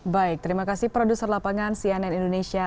baik terima kasih produser lapangan cnn indonesia